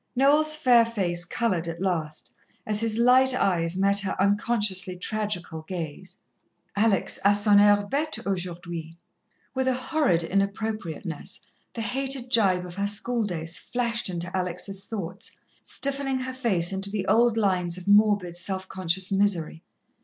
Noel's fair face coloured at last, as his light eyes met her unconsciously tragical gaze. "Alex a son air bête aujourd'hui." With horrid inappropriateness, the hated gibe of her schooldays flashed into Alex' thoughts, stiffening her face into the old lines of morbid, self conscious misery.